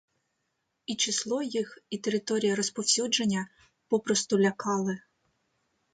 І число їх, і територія розповсюдження попросту лякали.